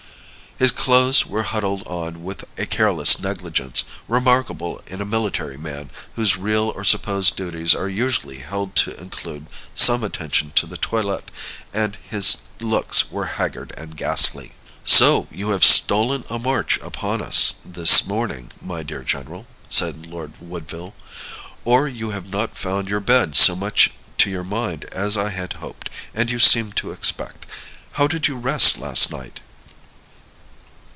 His clothes were huddled on with a careless negligence, remarkable in a military man, whose real or supposed duties are usually held to include some attention to the toilet, and his looks were haggard and ghastly. "So you have stolen a march upon us this morning, my dear general," said Lord Woodville; "or you have not found your bed so much to your mind as I had hoped and you seemed to expect. How did you rest last night?"